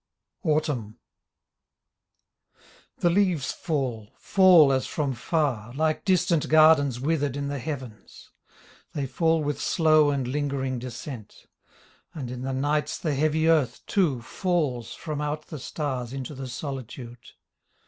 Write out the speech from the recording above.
AUTUMN The leaves fall, fall as from far. Like distant gardens withered in the heavens ; They fall with slow and lingering descent. And in the nights the heavy Earth, too, falls From out the stars into the Solitude.